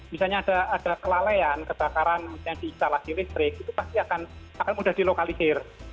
misalnya ada kelalaian kebakaran yang di instalasi listrik itu pasti akan mudah dilokalisir